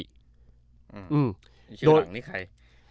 ช่วงหลังนี่ใคร